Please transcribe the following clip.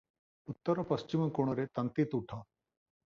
ଉତ୍ତର ପଶ୍ଚିମ କୋଣରେ ତନ୍ତୀତୁଠ ।